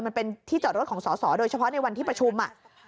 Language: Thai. มันเป็นที่จอดรถของสอสอโดยเฉพาะในวันที่ประชุม